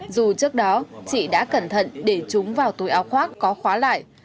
dù trước đó chị đã cẩn thận để chúng vào túi áo khoác có khóa lại